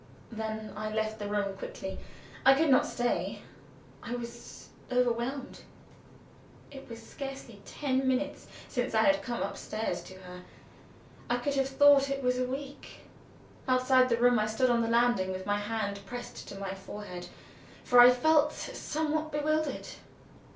Then I left the room quickly I could not stay, I was overwhelmed. It was scarcely ten minutes since I had come upstairs to her. I could have thought it was a week. Outside the room, I stood on the landing with my hand pressed to my forehead, for I felt somewhat bewildered.